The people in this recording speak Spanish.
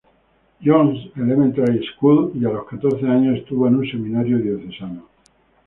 John's Elementary School, y a los catorce años estuvo en un seminario diocesano.